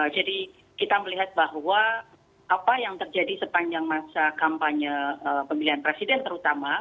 jadi kita melihat bahwa apa yang terjadi sepanjang masa kampanye pemilihan presiden terutama